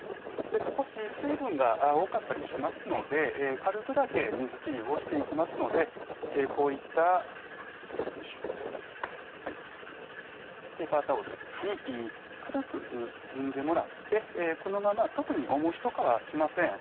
少し水分が多かったりしますので軽くだけ水切りをしていきますのでこういったペーパータオルに軽く包んでもらってこのまま特におもしとかはしません